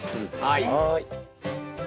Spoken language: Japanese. はい。